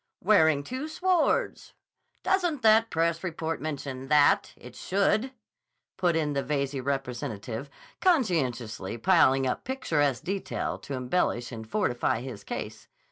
"Wearing two swords. Doesn't the press report mention that? It should," put in the Veyze representative conscientiously piling up picturesque detail to embellish and fortify his case.